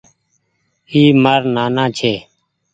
اي مآر نآنآ ڇي۔